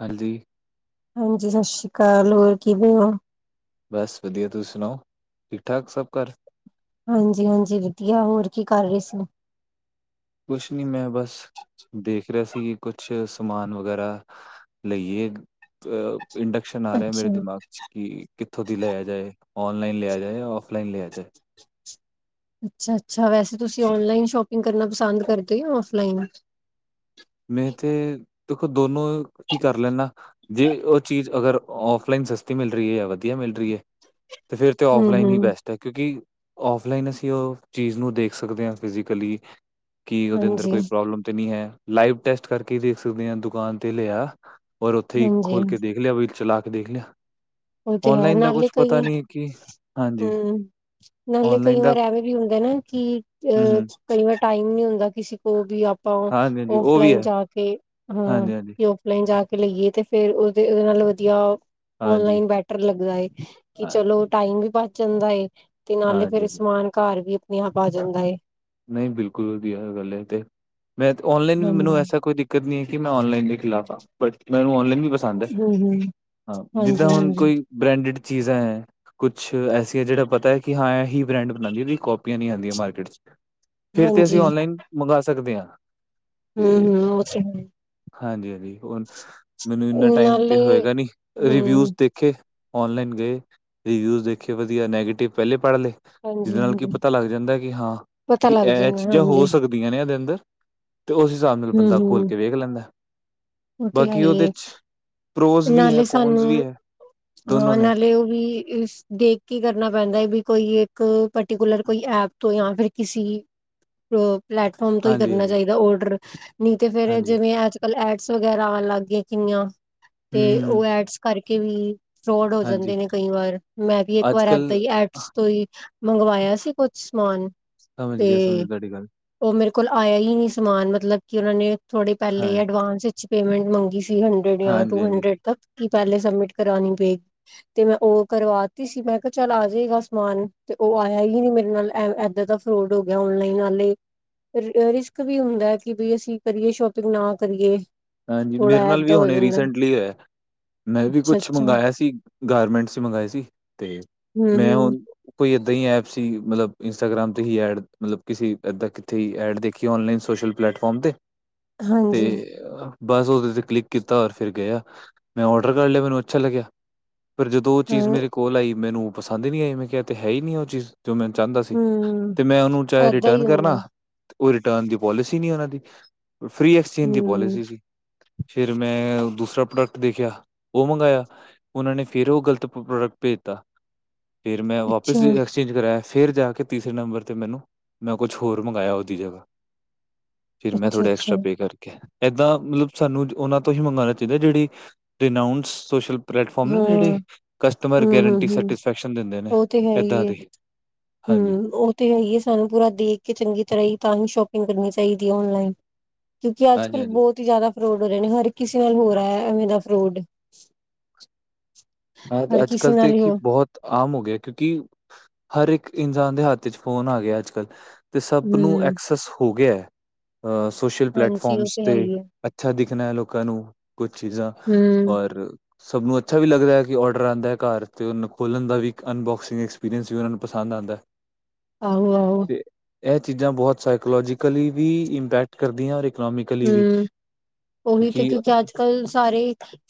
ਹਾਂਜੀ, ਹਾਂਜੀ, ਸਸ੍ਰੀ ਕਾਲ! ਹੋਰ ਕਿਵੇਂ ਓਂ? ਬਸ ਵਧੀਆ! ਤੁਸੀਂ ਸੁਣਾਓ, ਠੀਕ-ਠਾਕ ਸੱਭ ਘਰ? ਹਾਂਜੀ-ਹਾਂਜੀ, ਵਧੀਆ! ਹੋਰ ਕੀ ਕਰ ਰੇ ਸੀ? ਕੁਛ ਨੀ, ਮੈਂ ਬਸ ਦੇਖ ਰਿਹਾ ਸੀ । ਕੁਛ ਸਮਾਨ ਵਗੈਰਾ ਲਈਏ ਅ ਇੰਡਕਸ਼ਨ ਆ ਰਿਹਾ ਮੇਰੇ ਅੱਛਾ, ਦਿਮਾਗ 'ਚ ਕਿ ਕਿੱਥੋਂ ਦੀ ਲਇਆ ਜਾਏ, ਔਨਲਾਈਨ ਲਿਆ ਜਾਏ, ਆਫਲਾਈਨ ਲਿਆ ਜਾਏ । [inaudible] ਅੱਛਾ-ਅੱਛਾ! ਵੈਸੇ ਤੁਸੀਂ ਔਨਲਾਈਨ ਸ਼ੋਪਿੰਗ ਕਰਨਾ ਪਸੰਦ ਕਰਦੇ ਆਫ਼ਲਾਈਨ? ਮੈਂ ਤੇ ਦੇਖੋ! ਦੋਨੋ ਹੀ ਕਰ ਲੈਨਾ, ਜੇ ਉਹ ਚੀਜ਼ ਅਗਰ ਆਫ਼ਲਾਈਨ ਸਸਤੀ ਮਿਲ ਰੀ ਐ, ਵਧੀਆ ਮਿਲ ਮਿਲ ਰਹੀ ਹੈ, 'ਤੇ ਫਿਰ ਤੇ ਆਫ਼ਲਾਈਨ ਹੀ ਹੂੰ-ਹੂੰ, ਬੈਸਟ ਐ, ਕਿਉਂਕਿ ਆਫ਼ਲਾਈਨ ਅਸੀਂ ਉਹ ਚੀਜ਼ ਨੂੰ ਦੇਖ ਸਕਦੇ ਆਂ, ਫਿਜ਼ਕਲੀ ਕੀ ਉਹਦੇ ਅੰਦਰ ਕੋਈ ਹਾਂਜੀ-ਹਾਂਜੀ ਪ੍ਰੋਬਲਮ ਤੇ ਨੀ ਹੈ? ਲਾਈਵ ਟੈਸਟ ਕਰਕੇ ਦੇਖ ਸਕਦੇ ਆਂ, ਦੁਕਾਨ ਤੇ ਲਿਆਏਆ । ਓਰ ਉੱਥੇ ਈ ਖੋਲ਼ ਕੇ ਦੇਖ ਲਿਆ, ਵੀ ਚਲਾ ਕੇ ਦੇਖ ਲਿਆ । ਉਹ ਤੇ ਹੈ, ਨਾਲੇ਼ ਕਈ ਕਿ ਹਾਂਜੀ ਹਮ ਨਾਲੇ਼! ਕਈ ਔਨਲਾਈਨ ਦਾ ਵਾਰ, ਐਵੇਂ ਵੀ ਹੁੰਦਾ ਨਾ, ਕਿ ਹੂੰ, ਅ ਹੂੰ ਕਈ ਵਾਰ ਟਾਈਮ ਨਈਂ ਹੁੰਦਾ । ਕਿਸੇ ਕੋ ਵੀ ਆਪਾਂ ਹਾਂਜੀ, ਹਾਂਜੀ ਉਹ ਵੀ ਆਫਲਾਈਨ ਹੈ ਜਾਕੇ, ਹੰ ਹਾਂਜੀ, ਹਾਂਜੀ, ਆਫ਼ਲਾਈਨ ਜਾ ਤੇ ਲਈਏ, ਤੇ ਫੇਰ ਉਹਦੇ ਉਹ ਵਾਲਾ ਵਧੀਆ ਹਾਂਜੀ! ਔਨਲਾਈਨ ਬੈਟਰ ਲੱਗਦਾ ਏ, ਕਿ ਹਾਂ ਚਲੋ! ਟਾਈਮ ਵੀ ਬਚ ਜਾਂਦਾ ਏ, ਤੇ ਨਾਲੇ਼ ਹਾਂਜੀ, ਫੇ਼ਰ ਹਾਂਜੀ ਸਮਾਨ ਘਰ ਵੀ ਨੀਹਾ ਪਾ ਜਾਂਦਾ ਏ । ਨਹੀਂ! ਬਿਲਕੁਲ ਵਧੀਆ ਗੱਲ ਐ ਏ ਤੇ, ''ਮੈਂ ਔਨਲਾਈਨ ਵੀ ਮੈਨੂੰ ਹਾਂਜੀ ਐਸਾ ਕੋਈ ਦਿੱਕਤ ਨੀ ਕਿ, ਮੈਂ ਔਨਲਾਈਨ ਦੇ ਖਿਲਾਫ਼ ਆਂ, ਬਟ! ਮੈਨੂੰ ਔਨਲਾਈਨ ਵੀ ਪਸੰਦ ਐ! ਹੂੰ ਹੂੰ ਹਾਂ! ਹਾਂਜੀ ਜਿੱਦਾਂ ਹੁਣ, ਹਾਂਜੀ ਕੋਈ ਬ੍ਰੈਂਡਿਡ ਚੀਜ਼ਾਂ ਹੈ, ਕੁਛ ਐਸੀਆਂ ਜਿਹੜਾ ਪਤਾ ਹੈ ਕਿ, ਹਾਂ। ਏਹੀ ਬ੍ਰੈਂਡ ਬਣਾਂਦੀ ਐ, ਜਿਹਦੀ ਕਾਪੀ ਨਈਂ ਆਉਂਦੀਆਂ ਮਾਰਕੀਟ'ਚ । ਫਿਰ ਤੇ, ਅਸੀਂ ਹਾਂਜੀ ਔਨਲਾਈਨ ਮੰਗਾ ਸਕਦੇ ਆਂ । ਹੂੰ, ਹੂੰ, ਓ ਤੇ, ਹੈ। ਹਾਂਜੀ-ਹਾਂਜੀ, ਹੁਣ ਮੈਨੂੰ ਇੰਨਾ ਟਾਈਮ ਤੇ ਨਾਲੇ ਹੋਏਗਾ ਨਈਂ, ਰੀਵਿਊਜ਼ ਹੂੰ ਦੇਖੇ । ਔਨਲਾਈਨ ਗਏ, ਰਿਵਿਊਜ਼ ਦੇਖੇ, ਵਧੀਆ। ਨੈਗੇਟਿਵ ਪਹਿਲੇ ਪੜ੍ਹ ਲਏ, ਹਾਂਜੀ ਜਿਹਦੇ ਨਾਲ ਕਿ ਹਾਂਜੀ ਪਤਾ ਲੱਗ ਜਾਂਦਾ, ਕਿ ਹਾਂ! ਪਤਾ ਕਿ, ਲੱਗ ਇਹ ਜਾਂਦਾ ਚੀਜ਼ਾਂ ਹੋ ਹਾਂਜੀ ਸਕਦੀਆਂ ਨੇ । ਇਹਦੇ ਅੰਦਰ 'ਤੇ ਉਸ ਹਿਸਾਬ ਨਾਲ ਹੂੰ ਬੰਦਾ ਹੂੰ ਖੋਲਕੇ ਵੇਖ ਲੈਂਦਾ । ਉਹ ਤੇ, ਹੈਈਏ ਪ੍ਰੋਜ਼ ਵੀ ਹੈ ਨਾਲੇ ਕੋਨਸ ਸਾਨੂੰ ਵੀ ਹੈ ਦੋਨੋ ਹਾਂ, ਨੇ ਨਾਲੇ ਉਹ ਵੀ ਦੇਖਕੇ ਕਰਨਾ ਪੈਂਦਾ ਹੈ ਵੀ ਕੋਈ, ਇੱਕ ਪਰਟੀਕੁਲਰ ਕੋਈ ਐਪ ਤੋਂ ਜਾਂ ਫਿਰ ਕਿਸੀ ਪਲੈਟਫਾਰਮ ਤੋਂ, ਹੀ ਹਾਂਜੀ ਕਰਨਾ ਹਾਂਜੀ ਚਾਹੀਦਾ ਓਡਰ। ਨੀ ਤੇ ਫੇਰ ਹਾਂਜੀ ਜਿਵੇਂ ਅੱਜ-ਕਲ ਐਡ੍ਸ ਵਗੈਰਾ ਆਉਣ ਲੱਗ ਗਈਆ ਕਿੰਨੀਆਂ ਹੂੰ ਤੇ, ਹੂੰ ਉਹ ਐਡ੍ਸ ਕਰਕੇ ਵੀ ਫਰੋਡ ਹੋ ਹਾਂਜੀ ਜਾਂਦੇ ਨੇ ਕਈ ਵਾਰ।''ਮੈਂ ਵੀ ਇੱਕ ਅੱਜ ਵਾਰ ਕੱਲ ਏਦਾਂ ਹੀ ਐਡਸ ਤੋ, ਹੀ ਮੰਗਵਾਇਆ ਸੀ, ਕੁੱਛ ਸਮਾਨ? ਸਮਝ ਤੇ ਗਿਆ, ਸਮਝ ਤੁਹਾਡੀ ਗੱਲ। ਉਹ ਮੇਰੇ ਕੋਲ ਆਇਆ ਹੀ ਨਹੀਂ ਸਮਾਨ ਮਤਲਬ ਕਿ, ਉਹਨਾਂ ਨੇ ਥੋੜੇ ਪਹਿਲੇ ਹਾਂ ਐਡਵਾਂਸ ਵਿੱਚ ਪੇਮੈਂਟ ਮੰਗੀ ਸੀ। ਥ੍ਰੀ-ਹੰਡਰੇਡ ਯਾਂ, ਹਾਂਜੀ ਹਾਂਜੀ ਟੂ-ਹੰਡਰੇਡ ਤਕ। ਕਿ ਪਹਿਲੇ ਸਬਮੀਟ ਕਰਵਾਣੀ ਪੇ, ਤੇ ''ਮੈਂ ਉਹ ਕਰਵਾਤੀ ਸੀ, ਮੈਂ ਕਿਹਾ ਚੱਲ, ਆਜੇਗਾ ਸਮਾਨ ਤੇ ਉਹ ਆਇਆ ਹੀ ਨਹੀਂ ਮੇਰੇ ਨਾਲ, ਐ-ਐਦਾਂ ਦਾ ਫਰੋਡ ਹੋ ਗਿਆ ਔਨਲਾਈਨ ਆਲੇ। ਰਿਸਕ ਵੀ ਹੁੰਦਾ ਕਿ, ਬਈ। ਅਸੀਂ ਕਰੀਏ, ਸ਼ੋਪਿੰਗ ਨਾ ਕਰੀਏ। ਹਾਂਜੀ, ਥੋੜਾ ਮੇਰੇ ਨਾਲ ਵੀ ਏਦਾਂ ਹੋ ਹੁਣੇ ਜਾਂਦਾ ਰੀਸੇਂਟਲੀ ਹੋਇਆ। ''ਮੈਂ ਵੀ ਅੱਛਾ ਕੁਛ ਅੱਛਾ ਮੰਗਵਾਇਆ ਸੀ ਗਾਰਮੇਂਟ੍ਸ'ਚ ਮੰਗਾਏ ਸੀ। ਤੇ ਹਮ ਮੈਂ, ਹਮ ਹੁਣ ਕੋਈ ਇੱਦਾਂ ਹੀ ਐਪ ਸੀ, ਮਤਲਬ! ਇੰਸਟਾਗ੍ਰਾਮ ਤੇ ਹੀ, ਐਡ ਮਤਲਬ ਕਿਸੇ ਇੱਦਾਂ ਕਿੱਥੇ ਹੀ ਐਡ ਦੇਖੀ ਔਨਲਾਈਨ ਸੋਸ਼ਲ ਪਲੈ ਪਲੈਟਫਾਰਮ ਤੇ। ਤੇ ਹਾਂਜੀ ਬਸ ਉਹਦੇ ਤੇ ਕਲਿੱਕ ਕੀਤਾ, ਔਰ ਫਿਰ ਗਿਆ ''ਮੈਂ ਔਰਡਰ ਕਰ ਲਿਆ ਮੈਨੂੰ ਅੱਛਾ ਲੱਗਿਆ। ਪਰ ਜਦੋਂ ਉਹ ਚੀਜ਼ ਹਾਂ ਮੇਰੇ ਕੋਲ ਆਈ, ਮੈਨੂੰ ਪਸੰਦ ਹੀ ਨਹੀਂ ਆਈ ''ਮੈਂ ਕਿਹਾ ਤੇ, ਹੈ ਹੀ ਨਹੀਂ, ਉਹ ਚੀਜ਼। ਜੋ ਮੈਂ ਚਾਹੁੰਦਾ ਸੀ ਹਮ ਤੇ, ਮੈਂ ਉਹਨੂੰ ਚਾਹੇ ਏਦਾਂ ਰਿਟਰਨ ਹੀ ਹੁੰਦਾ ਕਰਨਾ ਉਹ ਰਿਟਰਨ ਦੀ ਪੌਲਿਸੀ ਨਹੀਂ ਉਹਨਾਂ ਦੀ, ਫ੍ਰੀ, ਐਕਸਚੇਂਜ ਦੀ ਹਮ ਪੋਲਿਸੀ ਸੀ। ਫਿਰ ਮੈਂ, ਦੂਸਰਾ ਪ੍ਰੋਡਕਟ ਦੇਖਿਆ ਉਹ ਮੰਗਾਇਆ ਉਹਨਾ ਨੇ, -ਫੇਰ ਉਹ ਗ਼ਲਤ ਪ੍ਰੋਡਕਟ ਭੇਜਤਾ। ਫਿਰ, ''ਮੈਂ ਅੱਛਾ ਵਾਪਿਸ ਐਕਸਚੇਂਜ ਕਰਵਾਇਆ। ਫਿਰ ਜਾਕੇ ਤੀਸਰੇ ਨੰਬਰ ਤੇ, ਮੈਨੂੰ ਮੈਂ ਕੁਛ ਹੋਰ ਮੰਗਾਇਆ ਉਹਦੀ ਜਗ੍ਹਾ। ਫਿਰ ਮੈਂ, ਅੱਛਾ ਥੋੜੇ ਅੱਛਾ ਐਕਸਟਰਾ ਪੇ ਕਰਕੇ, ਏਦਾਂ ਮਤਲਬ ਸਾਨੂੰ ਉਹਨਾਂ ਤੋਂ ਹੀ ਮੰਗਾਣਾ ਚਾਹੀਦਾ, ਜਿਹੜੀ ਦੇ ਨਾਓਨ ਸੋਸ਼ਲ ਪਲੇਟਫਾਰਮ ਨੇ, ਜਿਹੜੇ ਹਾਂ ਕਸਟਮਰ ਹਮ ਹਮ ਗਰੰਟੀ ਹਮ ਸੈਟਿਸਫੈਕਸ਼ਨ ਦਿੰਦੇ ਨੇ। ਐਦਾਂ ਦੇ। ਹਾਂਜੀ ਹੂੰ, ਉਹ ਤੇ ਹੈਈਏ ਸਾਨੂੰ ਪੂਰਾ ਦੇਖਕੇ ਚੰਗੀ ਤਰ੍ਹਾਂ ਹੀ ਤਾਂ, ਹੀ ਸ਼ੋਪਿੰਗ ਕਰਨੀ ਚਾਹੀਦੀ ਔਨਲਾਈਨ ਕਿਉਂਕਿ ਹਾਂਜੀ ਅੱਜ-ਕਲ ਹਾਂਜੀ ਬਹੁਤ ਹੀ ਜ਼ਿਆਦਾ ਫਰੋਡ ਹੋ ਰਹੇ ਨੇ, ਹਰ ਕਿਸੇ ਨਾਲ ਹੋ ਰਿਹਾ ਹੈ, ਐਵੇਂ ਦਾ ਫਰੋਡ। ਹਾਂ। ਹਰ ਅੱਜ- ਕਿਸੇ ਕੱਲ ਤਾ ਨਾਲ ਹੀ ਕੀ ਹੋ ਬਹੁਤ ਆਮ ਹੋ ਗਿਆ, ਕਿਉਂਕਿ ਹਰ ਇੱਕ ਇਨਸਾਨ ਦੇ ਹੱਥ'ਚ ਫੋਨ ਆਗਿਆ ਅੱਜ-ਕਲ। ਤੇ, ਸੱਪ ਨੂੰ ਹੂੰ ਐਕਸੈਸ ਹੋ ਗਿਆ ਹੈ। ਅ ਸੋਸ਼ਲ ਹਾਂਜੀ ਉਹ ਪਲੈਟਫਾਰਮਸ ਤੇ। ਹੈ ਹੀ ਹੈ ਅੱਛਾ, ਦਿਖਨਾ ਏ ਲੋਕਾਂ ਨੂੰ। ਕੁਛ ਚੀਜ਼ਾਂ, ਹੂੰ ਔਰ ਸਭ ਨੂੰ ਅੱਛਾ ਵੀ ਲੱਗ ਰਿਹਾ। ਕਿ ਔਡਰ ਆਉਂਦਾ ਹੈ ਘਰ ਅਤੇ ਉਹਨੂੰ ਖੋਲ੍ਹਣ ਦਾ ਵੀ ਇੱਕ ਅਨਬੋਕਸਿੰਗ ਐਕਸਪੀਰੀਅੰਸ ਵੀ ਉਹਨਾਂ ਨੂੰ ਪਸੰਦ ਆਉਦਾ ਹੈ। ਆਹੋ ਆਹੋ। ਇਹ ਚੀਜ਼ਾਂ ਬਹੁਤ ਸਾਈਕੋਲੋਜੀਕਲੀ ਵੀ ਇੰਪੈਕਟ ਕਰਦੀਆਂ ਔਰ। ਇਕਨੋਮਿਕਲੀ ਵੀ ਹਮ ਉਹੀ ਤੇ ਕਿਉਂਕਿ ਅੱਜ ਕੱਲ ਸਾਰੇ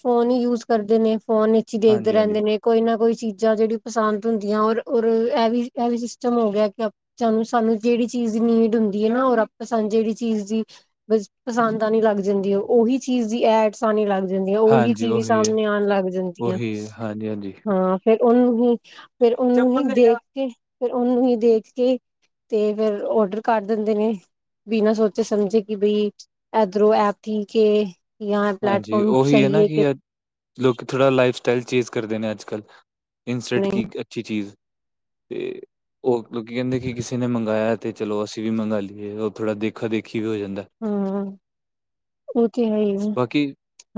ਫੋਨ ਹੀ ਯੂਜ ਕਰਦੇ ਨੇ। ਫੋਨ ਵਿੱਚ ਹੀ ਦੇਖਦੇ ਹਾਂਜੀ ਹਾਂਜੀ ਰਹਿੰਦੇ ਨੇ ਕੋਈ ਨਾ ਕੋਈ। ਚੀਜ਼ਾਂ ਜਿਹੜੀ ਪਸੰਦ ਹੁੰਦੀਆਂ ਔਰ ਔਰ ਇਹ ਵੀ ਇਹ ਵੀ ਸਿਸਟਮ ਹੋ ਗਿਆ ਕਿ ਆਪਾਂ ਨੂੰ ਸਾਨੂੰ ਜਿਹੜੀ ਚੀਜ਼। ਇਜੀ ਨੀਡ ਹੁੰਦੀ ਹੈ ਨਾ ।ਔਰ ਆਪ ਜਿਹੜੀ ਚੀਜ਼ ਦੀ ਪਸੰਦ ਆਨੀ ਲੱਗ ਜਾਂਦੀ ਉਹੀ ਚੀਜ਼ ਦੀ ਐਡਸ ਆਣੀ ਲੱਗ। ਜਾਂਦੀ ਉਹੀ ਹਾਂਜੀ ਚੀਜ਼ ਉਹੀ ਹੈ ਸਾਹਮਣੇ ਆਉਣ ਲੱਗ ਜਾਂਦੀਆਂ ਉਹੀ ਹੈ ਹਾਂਜੀ ਹਾਂਜੀ ਹਾਂ। ਫੇਰ ਉਹਨੂੰ ਹੀ ਫੇਰ ਉਹਨੂੰ ਹੀ ਦੇਖ ਕੇ ਫਿਰ ਉਹਨੂੰ ਹੀ ਦੇਖ ਕੇ ਤੇ ਫੇਰ ਔਡਰ ਕਰ ਦਿੰਦੇ ਨੇ ਬਿਨਾਂ ਸੋਚੇ ਸਮਝੇ ਕਿ ਬਈ ਐਦਰੋ ਐਪ ਠੀਕ ਏ ਯਾਂ ਇਹ ਹਾਂਜੀ ਪਲੇੈਟਫਾਰਰਮ ਉਹੀ ਸਹੀ ਨਾ ਹੈ ਕਿ ਅੱਜ ਲੋਕ ਥੋੜ੍ਹਾ ਲਾਈਫ ਸਟਾਈਲ ਚੇਂਜ ਕਰਦੇ ਨੇ ਅੱਜ ਕੱਲ ਇੰਸਟੈਂਟ ਨਹੀਂ ਕੀ ਅੱਛੀ ਚੀਜ਼। ਤੇ ਉਹ ਲੋਕੀਂ ਕਹਿੰਦੇ, ਕਿ ਕਿਸੇ ਨੇ ਮੰਗਾਇਆ। ਤੇ ਚਲੋ ਅਸੀਂ ਵੀ ਮੰਗਾ ਲਈਏ ਥੋੜਾ ਦੇਖਾ ਦੇਖੀ। ਵੀ ਹੋ ਜਾਂਦਾ। ਹਾਂ ਉਹ ਤੇ ਹੈ ਹੀ ਜੀ ਆ ਬਾਕੀ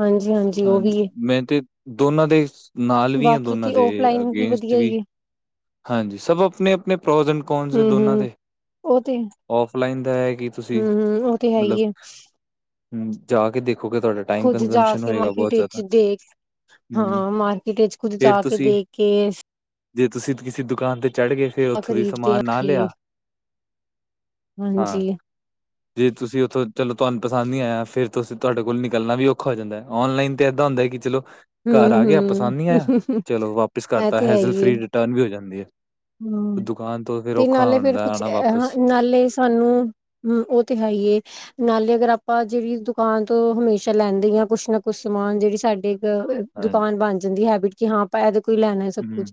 ਹਾਂਜੀ ਹਾਂਜੀ ਉਹ ਵੀ ਹੈ। ਮੈਂ ਤੇ ਦੋਨਾਂ ਦੇ ਨਾਲ ਵੀ ਆ ਬਾਕੀ ਦੋਨਾਂ ਤੇ ਦੇ ਔਫਲਾਈਨ ਅਗੇਸਟ ਵਧੀਆ ਵੀ। ਹੀ ਹੈ ਹਾਂਜੀ ਸਭ ਆਪਣੇ- ਆਪਣੇ ਪ੍ਰੋਜੇਕਡ ਕੌਰਨਸ ਨੇ ਹੂੰ ਦੋਨਾਂ ਹੂੰ ਦੇ। ਉਹ ਤੇ ਆਫਲਾਈਨ ਦਾ ਹੈ ਕਿ ਤੁਸੀ ਹੂੰ ਹੂੰ ਉਹ ਤੇ ਹੈ ਮਤਲਬ। ਹੀ ਹੂ ਜਾ ਕੇ ਦੇਖ- ਖੁੱਦ ਜਾ ਕੇ ਮਾਰਕੀਟ ਵਿਚ ਦੇਖ। ਹੂੰ ਹਾਂ ਮਾਰਕੀਟ ਵਿਚ ਖੁਦ ਫੇਰ ਜਾ ਕੇ ਤੁਸੀਂ ਦੇਖ ਕੇ। ਜੇ ਤੁਸੀ ਕਿਸੇ ਦੁਕਾਨ ਤੇ ਚੜ ਗਏ ਫੇਰ ਉਥੋ ਦੀ ਖਰੀਦਦੇ ਆ ਸਮਾਨ ਨਾ ਲਿਆ। ਹਾਂ ਹਾਂਜੀ ਜੇ ਤੁਸੀ ਉਥੋ ਚਲੋ ਤੁਹਾਨੂੰ ਪਤਾ। ਪਸੰਦ ਨੀ ਆਇਆ ਫਿਰ ਤੁਸੀ ਤੁਹਾਡੇ ਕੋਲ ਨਿਕਲਣਾ ਵੀ ਔਖਾ ਹੋ ਜਾਂਦਾ ਓਨਲਾਈਨ ਤੇ ਇਦਾ ਹੁੰਦਾ ਕਿ ਚਲੋ। ਹੂੰ ਘਰ ਆ ਗਿਆ ਪਸੰਦ ਨਹੀ ਆਇਆ ਹੂੰ ਚਲੋ ਵਾਪਿਸ ਇਹ ਕਰਤਾ ਤੇ ਹੈ ਹੈਜ਼ਲ ਹੀ ਏ ਫਰੀ ਰਿਟਰਨ ਵੀ ਹੋ ਜਾਦੀ ਹੈ। ਹਮ ਦੁਕਾਨ ਤੋਂ ਫਿਰ ਤੇ ਔਖਾ ਨਾਲੇ ਫੇਰ ਹੁੰਦਾ ਕੁਛ ਆਣਾ ਵਾਪਸ ਨਾਲੇ ਸਾਨੂੰ ਹੂ ਉਹ ਤੇ ਹੈ। ਹੀ ਨਾਲੇ ਅਗਰ ਆਪਾਂ ਜਿਹੜੀ ਦੁਕਾਨ ਤੋਂ ਹਮੇਸ਼ਾ ਲੈਂਦੇ ਹੀ ਆ ਕੁਛ ਨਾ ਕੁਛ ਸਮਾਨ ਜਿਹੜੀ ਸਾਡੇ ਇਕ ਹਾਂਜੀ। ਦੁਕਾਨ ਬਣ ਜਾਦੀ ਹੈਬਿਟ ਕਿ ਹਾਂ ਆਪਾਂ ਇਹ ਤੋਂ ਕੋਈ ਲੈਣਾ ਸਭ ਹੂੰ, ਕੁਛ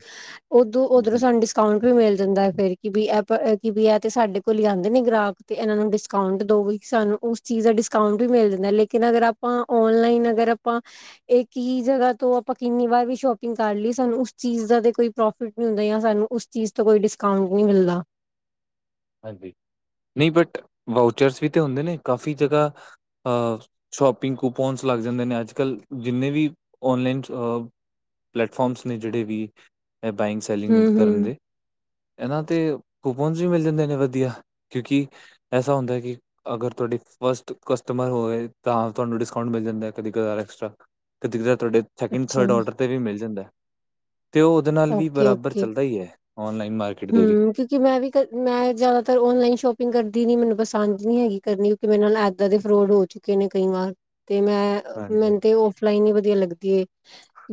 ਉਦੋ ਉਧਰੋਂ ਹੂੰ, ਸਾਨੂੰ ਡਿਸਕਾਊਂਟ। ਵੀ ਮਿਲ ਜਾਦਾ ਫੇਰ ਕਿ ਵੀ ਇਹ ਕਿ ਵੀ ਇਹ ਤੇ ਸਾਡੇ ਕੋਲ ਹੀ ਆਉਦੇ ਨੇ ਗਰਾਹਕ ਤੇ ਇਹਨਾ ਨੂੰ ਡਿਸਕਾਊਂਟ ਦੋ ਬਈ। ਸਾਨੂੰ ਉਸ ਚੀਜ਼ ਦਾ ਡਿਸਕਾਊਂਟ ਵੀ ਮਿਲ ਜਾਦਾ ਲੇਕਿਨ ਅਗਰ ਆਪਾ ਓਨਲਾਈਨ ਅਗਰ ਆਪਾ। ਇਕ ਹੀ ਜਗਾ ਤੋ ਆਪਾ ਕਿੰਨੀ ਵਾਰ ਵੀ ਸ਼ੋਪਿਗ ਕਰ ਲਈਏ ਸਾਨੂੰ ਉਸ ਚੀਜ਼ ਦਾ ਤੇ ਕੋਈ ਪ੍ਰੋਫਿਟ ਨਹੀ ਹੁੰਦਾ ਜਾਂ ਸਾਨੂੰ। ਉਸ ਚੀਜ਼ ਤੋਂ ਕੋਈ ਡਿਸਕਾਊਂਟ ਨਹੀ ਮਿਲਦਾ। ਹਾਂਜੀ। ਨਹੀ ਬਟ ਵਊਚਰਸ ਵੀ ਤੇ ਹੁੰਦੇ ਨੇ ਕਾਫੀ ਜਗਾ ਸ਼ੋਪਿਗ ਕੂਪੰਜ। ਲਗ ਜਾਦੇ ਨੇ ਅਜ ਕਲ ਜਿਨੇ ਵੀ ਓਨਲਾਈਨ ਅ ਪਲੇੈਟਫਾਰਮਸ ਨੇ ਜਿਹੜੇ ਵੀ ਬੈਗ ਹਮ ਸੈਲਿਗ ਕਰਨ ਹਮ ਦੇ ਇਹਨਾਂ ਤੇ ਕੂਪਨ ਵੀ ਮਿਲ ਜਾਦੇ। ਵਧੀਆ ਕਿਉਕਿ ਐਸਾ ਹੁੰਦਾ ਕਿ ਅਗਰ ਤੁਹਾਡੀ ਫਸਟ ਕਸਟਮਰ ਹੋਵੇ ਤਾਂ। ਤੁਹਾਨੂੰ ਡਿਸਕਾਊਂਟ ਮਿਲ ਜਾਦਾ ਕਦੇ ਕਦਾਰ ਐਕਸਟਰਾ ਕਦੀ ਕਦਾਰ ਤੁਹਾਡੇ ਸੈਕਿੰਡ ਅੱਛਾ ਥਰਡ ਆਰਡਰ ਤੇ ਵੀ ਮਿਲ ਜਾਦਾ ਹੈ। ਤੇ ਉਹ ਉਹਦੇ ਨਾਲ ਵੀ ਬਰਾਬਰ ਚਲਦਾ ਹੀ ਹੈ। ਔਨਲਾਈਨ ਮਾਰਕੀਟ ਦੇ ਵੀ ਹਮ ਕਿਉਕਿ ਮੈ ਵੀ ਕਲ ਮੈ ਜਿਆਦਾਤਰ ਔਨਲਾਈਨ ਸੋਪਿਗ ਕਰਦੀ ਨੀ। ਮੈਨੂੰ ਪਸੰਦ ਨਹੀ ਹੈਗੀ ਕਰਨੀ ਕਿਉਕਿ ਮੇਰੇ ਨਾਲ ਏਦਾ ਦੇ ਫਰੋਡ ਹੋ ਚੁਕੇ ਨੇ ਕਈ ਵਾਰ। ਤੇ ਮੈ ਹਾਂਜੀ, ਮੈਨੂੰ ਹਾਂਜੀ। ਤੇ ਉਫਲਾਈਨ ਹੀ ਵਧੀਆ ਲੱਗਦਾ।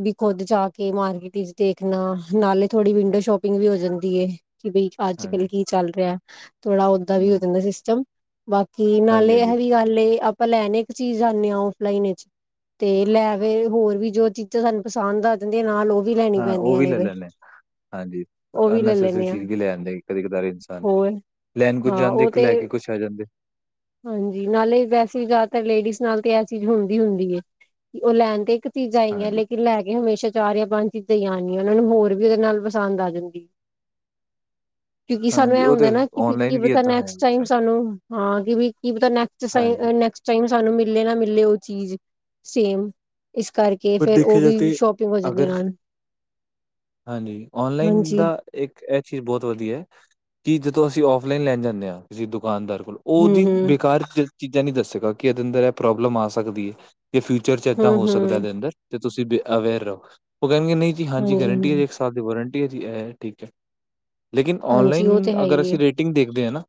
ਵੀ ਖੁਦ ਜਾ ਕੇ ਮਾਰਕੀਟ ਵਿਚ ਦੇਖਣਾ ਨਾਲੇ ਥੋੜੀ ਵਿਡੋ ਸ਼ੋਪਿਗ ਵੀ ਹੋ ਜਾਦੀ। ਏ ਕਿ ਬਈ ਅਜ ਕਲ ਹਾਂਜੀ, ਕੀ ਚਲ ਰਿਹਾ। ਥੋੜ੍ਹਾ ਓਦਾਂ ਵੀ ਹੋ ਹੂੰ। ਜਾਂਦਾ ਸਿਸਟਮ ਬਾਕੀ ਹਾਂਜੀ, ਨਾਲੇ ਹਾਂਜੀ ਇਹੋ ਵੀ ਗਲ ਏ ਆਪਾ ਲੈਣ ਇਕ ਚੀਜ਼ ਜਾਂਦੇ ਹਾਂ ਆਫਲਾਈਨ ਵਿਚ। ਤੇ ਲੈਵੇ ਹੋਰ ਵੀ ਜੋ ਚੀਜਾ ਸਾਨੂੰ ਪਸੰਦ ਆ ਜਾਦੀਆਂ ਨਾਲ ਉਹ। ਵੀ ਲੈਣੀ ਹਾਂ ਉਹ ਪੈਂਦੀਆਂ ਵੀ ਨੇ ਲੈ ਫਿਰ। ਲੈਦੇ ਹਾਂਜੀ। ਉਹ ਵੀ ਲੈ ਲੈਂਣੇ ਆ ਤੁਸੀਂ ਵੀ ਲੈ ਆਦੇ ਕਦੇ ਕਦਾਰ ਇਨਸਾਨ ਹੋਰ ਲੈਣ ਕੁਝ ਹਾਂ ਜਾਦੇ ਉਹ ਇਕ ਤੇ ਲੈ ਕੇ ਕੁਛ ਆ ਜਾਦੇ। ਹਾਂਜੀ ਨਾਲੇ ਵੈਸੇ ਵੀ ਜਿਆਦਾਤਰ ਲੇਡੀਜ਼ ਨਾਲ ਤੇ ਇਹ ਚੀਜ ਹੁੰਦੀ ਹੁੰਦੀ ਹੈ। ਉਹ ਲੈਣ ਤੇ ਇਕ ਚੀਜ ਆਈ ਹੈ। ਹਾਂਜੀ, ਲੇਕਿਨ ਲੈ ਕੇ ਹਮੇਸ਼ਾ ਚਾਰ ਜਾ ਪੰਜ। ਤੇ ਆਣੀ ਆ ਉਹਨਾ ਨੂੰ ਹੋਰ ਵੀ ਉਹਦੇ ਨਾਲ ਪਸੰਦ ਆ ਜਾਦੀ। ਕਿਉਕਿ ਸਾਨੂੰ ਹਾਂਜੀ ਇਹ ਉਹ ਹੁੰਦਾ ਤੇ ਨਾ ਕਿਂ ਕੀ ਔਨਲਾਈਨ ਵੀ ਪਤਾ ਏਦਾਂ ਹੈ ਨੈਕਸਟ ਟਾਈਮ ਆਪਸ਼ਨ ਸਾਨੂੰ। ਹਾਂ ਕਿ ਵੀ ਕੀ ਹਾਂਜੀ ਨੈਕਸਟਾਈਮ ਨੈਕਸਟਾਈਮ। ਸਾਨੂੰ ਮਿਲੇ ਨਾ ਮਿਲੇ ਉਹ ਚੀਜ ਸੇਮ। ਇਸ ਕਰਕੇ ਪਰ ਫੇਰ ਉਹ ਦੇਖਿਆ ਜਾਏ ਵੀ ਤੇ ਸ਼ੋਪਿਗ ਹੋ ਜਾਦੀ ਅਗਰ ਹਨ। ਹਾਂਜੀ ਔਨਲਾਈਨ ਦਾ ਇਕ ਇਹ ਚੀਜ਼ ਬਹੁਤ ਵਧੀਆ ਹ ਕਿ ਜ। ਤੋਂ ਅਸੀ ਉਫਲਾਈਨ ਲੈਣ ਜਾਦੇ ਹਾਂ ਕਿਸੇ ਦੁਕਾਨਦਾਰ ਕੋਲ ਹੂੰ ਉਹਦੀ ਹੂੰ। ਬੇਕਾਰ। ਚੀਜ਼ਾਂ ਨੀ ਦਸੇਗਾ ਕਿ ਇਹਦੇ ਅੰਦਰ ਇਹ ਪ੍ਰੋਬਲਮ ਆ ਸਕਦੀ ਹੈ। ਤੇ ਫਿਊਚਰ ਚ' ਹੂੰ ਏਦਾਂ ਹੋ ਸਕਦਾ ਹੂੰ ਇਹਦੇ ਅੰਦਰ। ਤੇ ਤੁਸੀ ਬ ਅਵੇਅਰ ਰਹ ਉਹ ਕਹਿਗੇ ਨਹੀ ਜੀ ਹਾਂਜੀ ਗਰੰਟੀ ਹੈ। ਜੇ ਇਕ ਸਾਲ ਦੀ ਵਾਰੰਟੀ। ਜੀ ਇਹ ਠੀਕ ਹੈ। ਲੇਕਿਨ ਹਾਂਜੀ ਉਹ ਔਨਲਾਈਨ ਤੇ ਹੈ ਅਗਰ ਹੀ ਏ ਅਸੀ ਰੇਟਿੰਗ ਦੇਖਦੇ ਹ ਨਾ।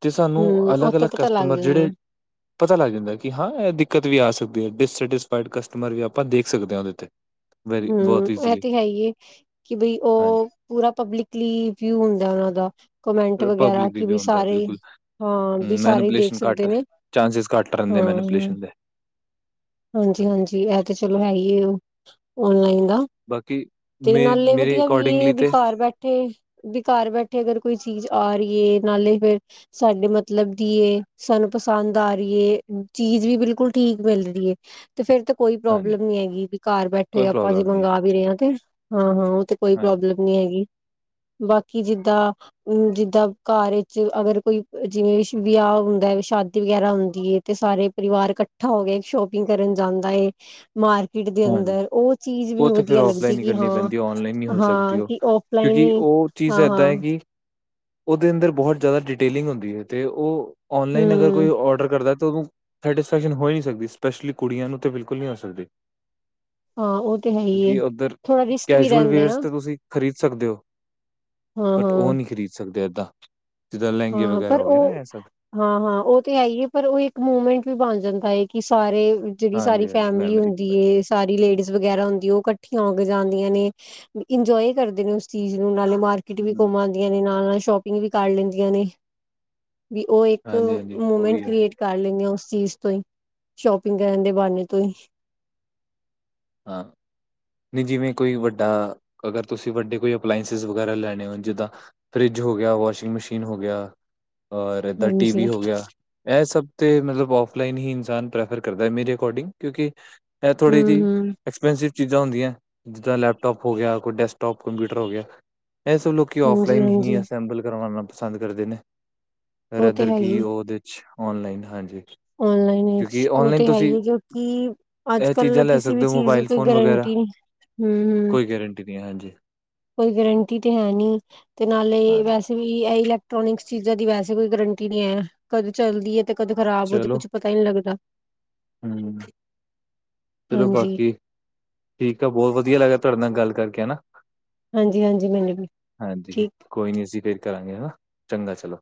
ਤੇ ਸਾਨੂੰ ਹੂੰ ਅਲਗ- ਉਥੋਂ ਅਲਗ ਪਤਾ ਲੱਗ ਕਸਟਮਰ ਜਾਂਦਾ। ਜਿਹੜੇ। ਪਤਾ ਲੱਗ ਜਾਂਦਾ ਕਿ ਹਾਂ ਇਹ ਦਿੱਕਤ ਵੀ ਆ ਸਕਦੀ ਹੈ ਡਿਸ ਸਤਿਸਫ਼ੀਏਡ ਕਸ। ਮਰ ਵੀ ਆਪਾਂ ਦੇਖ ਸਕਦੇ ਹਾਂ ਉਹਦੇ ਤੇ। ਵੈਰੀ ਬਹੁਤ ਹਮ ਇਹ ਈਜ਼ੀਲੀ ਤੇ ਹੈ ਹੀ ਏ ਕਿ ਬਈ ਹਾਂਜੀ, ਉਹ ਪੂਰਾ ਪਬਲਿਕਲੀ ਵਿਊ ਹੁੰਦਾ ਉਹਨਾ ਦਾ। ਕਮੈਂਟ ਵਗੈਰਾ ਪਬਲਿਕ ਕਿ ਰਿਵਿਊ ਵੀ ਹੁੰਦਾ ਹੈ, ਸਾਰੇ। ਬਿਲਕੁਲ। ਹਾਂ ਵੀ ਹੂੰ, ਸਾਰੇ ਹੀ ਦੇਖ ਮੈਨੀਪੂਲੇਸ਼ਨ ਘੱਟ ਸਕਦੇ ਐ, ਨੇ ਚਾਂਸਿਸ ਘੱਟ ਰਹਿੰਦੇ ਹੁੰ ਹ। ਮੈਨੀਪੂਲੇਸ਼ਨ ਦੇ, ਹਾਂਜੀ ਹਾਂਜੀ ਇਹ ਤੇ ਚਲੋ ਹੈ ਹੀ ਹੈ ਉਹ ਓਨਲਾਈਨ। ਦਾ ਬਾਕੀ। ਤੇ ਮੇ ਨਾਲੇ ਮੇਰੇ ਵਧੀਆ ਵੀ ਅਕੋਰਡਿੰਗਲੀ ਇਹ ਬਈ ਤੇ ਕਾਰ ਬੈਠੇ ਬਈ ਕਾਰ ਬੈਠੇ ਅਗਰ ਕੋਈ ਚੀਜ਼। ਆ ਰਹੀਏ ਨਾਲੇ ਫੇਰ ਸਾਡੇ ਮਤਲਬ ਦੀਏ ਸਾਨੂੰ ਪਸੰਦ ਆ ਰਹੀ ਹੈ ਚੀ। ਚੀਜ਼ ਵੀ ਬਿਲਕੁਲ ਠੀਕ ਮਿਲ ਰਹੀ ਹੈ। ਤੇ ਫੇਰ ਤੇ ਕੋਈ ਹਾਂਜੀ, ਪ੍ਰੋਬਲਮ ਨੀ ਹੈਗੀ ਵੀ ਘਰ ਬੈਠੇ ਕੋਈ ਆਪਾਂ ਜੇ ਪ੍ਰੋਬਲਮ ਨਹੀਂ ਹੈ, ਮੰਗਵਾ ਵੀ ਰਹੇ ਹਾਂ ਤੇ ਹਾਂ ਹਾਂ। ਕੋਈ ਹਾਂਜੀ, ਪ੍ਰੋਬਲਮ ਨੀ ਹੈਗੀ। [unintelligible] ਬਾਕੀ ਜਿੱਦਾਂ ਜਿੱਦਾਂ ਘਰ ਵਿੱਚ ਅਗਰ ਕੋਈ ਜਿਵੇਂ ਵਿਆਹ ਹੁੰਦਾ। ਸ਼ਾਦੀ ਵਗੈਰਾ ਹੁੰਦੀ ਏ ਤੇ ਸਾਰੇ ਪਰਿਵਾਰ ਇਕੱਠਾ ਹੋ ਕੇ ਸ਼ੋਪਿੰਗ ਕਰਨ ਜਾਂਦਾ ਏ। ਮਾਰਕੀਟ ਦੇ ਹਾਂਜੀ। ਅੰਦਰ ਉਹ ਚੀਜ਼ ਉਹ ਮੈਨੂੰ ਤੇ ਫਿਰ ਵਧੀਆ ਲੱਗਦੀ ਔਫਲਾਈਨ ਹੀ ਕਿ ਕਰਨੀ ਹਾਂ ਪੈਂਦੀ, ਹੈ, ਔਨਲਾਈਨ ਨਹੀਂ ਹੋ ਹਾਂ ਸਕਦੀ ਉਹ, ਕਿ ਓਫਲਾਈਨ। ਕਿਉਂਕਿ ਉਹ ਚੀਜ਼ ਹਾਂ, ਏਦਾਂ ਹੈ ਹਾਂ। ਕਿ ਉਹਦੇ ਅੰਦਰ ਬਹੁਤ ਜ਼ਿਆਦਾ ਡਿਟੇਲਿੰਗ ਹੁੰਦੀ ਹੈ ਤੇ ਉਹ ਔਨਲਾਈਨ ਅਗਰ ਕੋਈ ਹਮ ਆਰਡਰ ਕਰਦਾ। ਸੈਟਿਸਫੈਕਸ਼ਨ ਹੋ ਹੀ ਨਹੀਂ ਸਕਦੀ ਸਪੈਸ਼ਲੀ ਕੁੜੀਆਂ ਨੂੰ ਬਿਲਕੁਲ ਨਹੀਂ ਹੋ ਸਕਦੀ। ਹਾਂ ਉਹ ਤੇ ਹੈ ਹੀ ਏ। ਕਿਉਂਕਿ ਉੱਧਰ ਥੋੜਾ ਰਿਸਕ ਵੀ ਕੈਜੂਅਲ ਰਹਿੰਦਾ ਵੇਅਰਸ ਨਾ ਤਾਂ ਤੁਸੀਂ ਖਰੀਦ ਸਕਦੇ ਹੋ। ਹਾਂ ਬਟ ਉਹ ਹਾਂ ਨਹੀਂ ਖ਼ਰੀਦ ਸਕਦੇ ਏਦਾਂ। ਜਿੱਦਾਂ ਲਹਿੰਗੇ ਹਾਂ ਵਗੈਰਾ ਪਰ ਹੋ ਗਏ ਨਾ ਉਹ ਇਹ ਸਭ, ਹਾਂ ਹਾਂ ਉਹ ਤੇ ਹੈ ਹੀ ਹੈ ਪਰ ਉਹ ਇੱਕ ਮੂਮੈਂਟ ਵੀ ਬਣ ਜਾਂਦਾ ਹੈ। ਕਿ ਸਾਰੇ ਜਿਹੜੀ ਸਾਰੀ ਹਾਂਜੀ-ਹਾਂਜੀ, ਫੈਮਿਲੀ ਮੈਮਰੀ ਦੀ ਹੁੰਦੀ ਗੱਲ, ਏ ਸਾਰੀ ਲੇਡੀਜ਼ ਵਗੈਰਾ ਹੁੰਦੀ ਹੈ ਉਹ ਕ। ਠੀਆਂ ਹੋ ਕੇ ਜਾਂਦੀਆਂ ਨੇ। ਇੰਜੋਏ ਕਰਦੇ ਨੇ ਉਸ ਚੀਜ਼ ਨੂੰ ਨਾਲੇ। ਮਾਰਕੀਟ ਵੀ ਹੂੰ। ਘੁੰਮ ਆਉਂਦੀਆਂ ਨੇ ਨਾਲ ਨਾਲ ਸ਼ੋਪਿੰਗ ਵੀ ਕਰ ਲੈਂਦੀਆਂ ਨੇ। ਵੀ ਉਹ ਇੱਕ ਹਾਂਜੀ, ਹਾਂਜੀ ਉਹ ਮੂਮੈਂਟ ਵੀ ਹੈ ਕ੍ਰੀਏਟ ਕਰ ਲੈਂਦੇ ਆ ਉਸ। ਚੀਜ਼ ਤੋਂ ਹੀ ਸ਼ੋਪਿੰਗ ਕਰਨ ਦੇ ਬਾਨੇ ਤੋਂ ਹੀ। ਹਾਂ। ਨੀ ਜਿਵੇਂ ਕੋਈ ਵੱਡਾ ਅਗਰ ਤੁਸੀਂ ਵੱਡੇ ਕੋਈ ਅਪਲਾਈਸ ਵਗੈਰਾ ਲੈਣੇ ਹੋ ਜਿੱਦਾਂ ਫਰਿੱਜ। ਜੋ ਗਿਆ ਵਾਸ਼ਿੰਗ ਮਸ਼ੀਨ ਹੋ ਗਿਆ ਔਰ ਏਦਾਂ ਟੀ ਹਾਂਜੀ ਵੀ ਹੋ ਗਿਆ ਇਹ ਸਭ। ਤੇ ਮਤਲਬ ਉਫਲਾਈਨ ਹੀ ਇਨਸਾਨ ਪ੍ਰੈਫਰ ਕਰਦਾ ਮੇਰੇ ਅਕੋਰਡਿੰਗ ਕਿਉਂਕਿ ਇਹ ਥੋੜ੍ਹੀ ਜਿਹੀ। ਹੂੰ-ਹੂੰ ਐਕਸਪੈਂਸਿਵ ਚੀਜ਼ਾਂ ਹੁੰਦੀਆਂ ਜਿੱਦਾਂ ਲੈਪਟੋਪ ਹੋ ਗਿਆ ਕੋਈ ਡੈਸਕਟੋਪ ਕੰਪਿਊਟਰ ਹੋ ਗਿਆ। ਇਹ ਸਭ ਲੋਕੀ ਆਫਲਾਈਨ ਹੀ ਹਾਂਜੀ-ਹਾਂਜੀ ਅਸਬੰਲ ਕਰਉਣਾ ਪਸੰਦ ਕਰਦੇ ਨੇ। ਉਹ ਤੇ ਰਦਰ ਕੀ ਉਹਦੇ ਚ ਆਨਲਾਈਨ ਹਾਂਜੀ ਆਨਲਾਈਨ ਕਿਉਂਕਿ ਵਿੱਚ ਉਹ ਔਨਲਾਈਨ ਤੇ ਹੈ ਹੀ ਤੁਸੀਂ ਹੈ ਕਿਉਂਕਿ ਅੱਜ ਇਹ ਕੱਲ ਚੀਜ਼ਾਂ ਲੈ ਕਿਸੇ ਵੀ ਸਕਦੇ ਹੋ ਚੀਜ਼ ਮੋਬਾਇਲ ਕੋਈ ਫੋਨ ਵਗੈਰਾ ਗਰੰਟੀ ਨੀ ਹੂੰ ਕੋਈ ਗਰੰਟੀ ਨਹੀਂ ਹਾਂਜੀ। ਕੋਈ ਗਰੰਟੀ ਤੇ ਹੈ ਨੀ ਤੇ ਨਾਲੇ ਹਾਂਜੀ ਵੈਸੇ ਵੀ ਇਹੈ ਇਲੈਕਟ੍ਰਾਨਿਕ ਚੀਜ਼ਾਂ ਦੀ ਵੈਸੇ ਕੋਈ ਗਰੰਟੀ ਨਹੀਂ ਹੈ, ਕਦੇ ਚੱਲਦੀ ਹੈ ਤੇ ਕਦੇ ਖਰਾਬ ਹੋ ਜਾ ਕੁਛ ਪਤਾ ਹੀ ਨੀ ਲੱਗਦਾ ਹੂੰ। ਚਲੋ ਹਾਂਜੀ ਬਾਕੀ ਠੀਕ ਆ ਬਹੁਤ ਵਧੀਆ ਲੱਗਿਆ ਤੁਹਾਡੇ ਨਾਲ ਗੱਲ ਕਰਕੇ ਹਨਾ। ਹਾਂਜੀ ਹਾਂਜੀ ਮੈਨੂੰ ਵੀ ਹਾਂਜੀ ਠੀਕ ਕੋਈ ਨੀ ਅਸੀਂ ਤੇ ਕਰਾਂਗੇ ਹੈ ਨਾ ਚੰਗਾ ਚਲੋ।